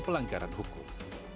dan pelanggaran hukum